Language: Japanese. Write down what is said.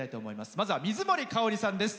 まずは水森かおりさんです。